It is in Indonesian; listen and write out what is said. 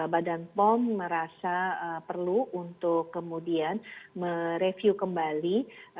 badan pom merasa perlu untuk kemudian mereview kembali